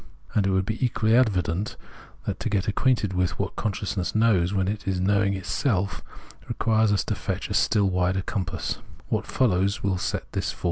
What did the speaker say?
And it will be equally evident that to get acquainted with what consciousness knows when it is knowing itself, requires us to fetch a still wider compass.